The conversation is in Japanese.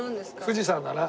富士山かな。